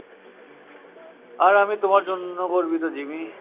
আর আমি তোমার জন্য গর্বিত, জিমি।